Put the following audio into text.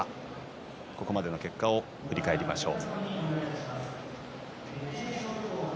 ここまでの結果を振り返りましょう。